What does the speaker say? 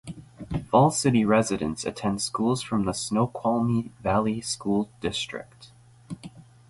Fall City residents attend schools from the Snoqualmie Valley School District.